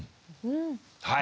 はい。